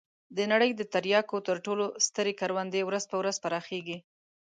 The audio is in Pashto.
د نړۍ د تریاکو تر ټولو سترې کروندې ورځ په ورځ پراخېږي.